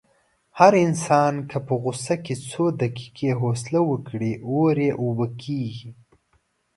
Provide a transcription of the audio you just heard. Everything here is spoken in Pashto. هر انسان که په غوسه کې څو دقیقې حوصله وکړي، اور یې اوبه کېږي.